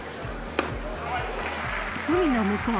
海の向こう